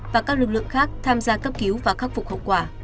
và các lực lượng khác tham gia cấp cứu và khắc phục hậu quả